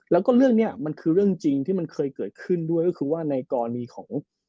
แล้วก็เรื่องนี้มันคือเรื่องจริงที่มันเคยเกิดขึ้นด้วยก็คือว่าในกรณีของ